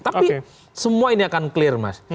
tapi semua ini akan clear mas